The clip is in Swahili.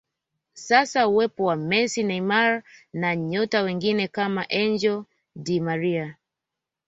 Sasa uwepo wa Messi Neymar na nyota wengine kama Angel di Maria